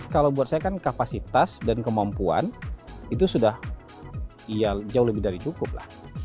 kalau buat saya kan kapasitas dan kemampuan itu sudah ya jauh lebih dari cukup lah